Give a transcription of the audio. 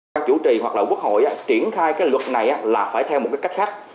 các chủ trì hoặc là quốc hội triển khai cái luật này là phải theo một cái cách khác